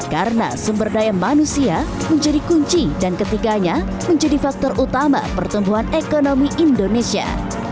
karena sumber daya manusia menjadi kunci dan ketiganya menjadi faktor utama pertumbuhan ekonomi indonesia